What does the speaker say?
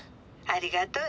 ありがとう。